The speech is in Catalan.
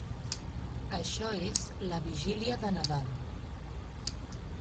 Això és la vigília de Nadal.